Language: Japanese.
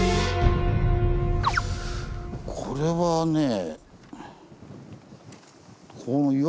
これはねぇ。